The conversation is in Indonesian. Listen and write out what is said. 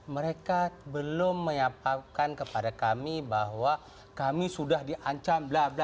mereka belum menyampaikan kepada kami bahwa kami sudah diancam